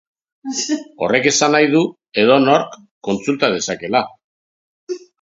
Horrek esan nahi du edonork kontsulta dezakeela.